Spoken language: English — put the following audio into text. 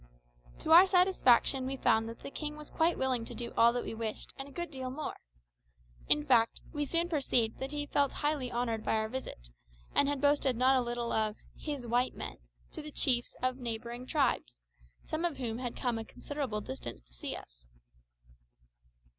To our satisfaction we found that the king was quite willing to do all that we wished and a great deal more. In fact, we soon perceived that he felt highly honoured by our visit, and had boasted not a little of "his white men" to the chiefs of neighbouring tribes, some of whom had come a considerable distance to see us.